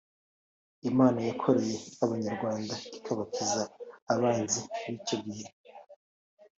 Imana yarokoye Abanyarwanda ikabakiza abanzi b’icyo gihe